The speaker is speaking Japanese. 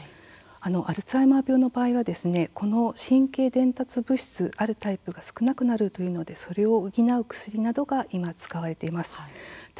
アルツハイマー病の場合はこの神経伝達物質があるタイプが少なくなるということでそれを補う薬などが使われていました。